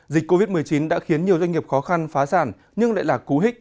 dịch covid một mươi chín đã khiến nhiều doanh nghiệp khó khăn phá sản nhưng lại là cú hích